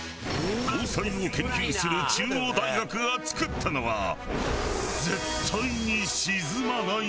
防災を研究する中央大学が作ったのは絶対に沈まない舟。